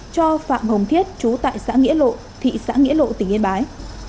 cho phạm hồng thiết chú tại xã nghĩa lộ thị xã nghĩa lộ tỉnh yên bái